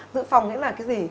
dự phòng nghĩa là cái gì